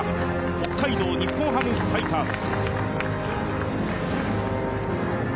北海道日本ハムファイターズ。